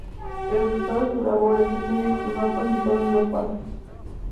El resultado de su labor de síntesis lo ha presentado en dos fases.